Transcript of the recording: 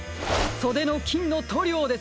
そでのきんのとりょうです！